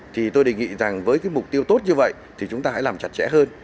thì tôi đề nghị rằng với cái mục tiêu tốt như vậy thì chúng ta hãy làm chặt chẽ hơn